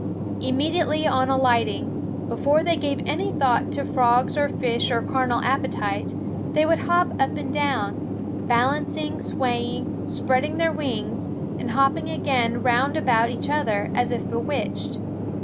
Immediately on alighting, before they gave any thought to frogs or fish or carnal appetite, they would hop up and down, balancing, swaying, spread ing their wings, and hopping again round about each other, as if bewitched.